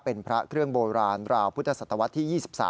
เป็นพระเครื่องโบราณราวพุทธศตวรรษที่๒๓